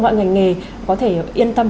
và mọi ngành nghề có thể yên tâm